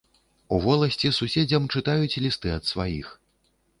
У воласці суседзям чытаюць лісты ад сваіх.